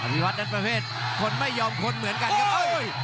วิวัตรนั้นประเภทคนไม่ยอมคนเหมือนกันครับ